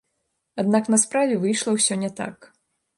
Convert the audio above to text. Аднак на справе выйшла ўсё не так.